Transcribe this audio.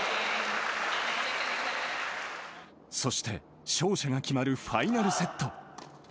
そして、勝者が決まるファイナルセット。